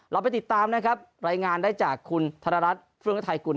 เราไปติดตามรายงานได้จากคุณธรรมรัฐฟื้องไทยกุล